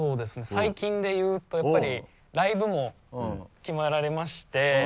最近で言うとやっぱりライブも決まられまして。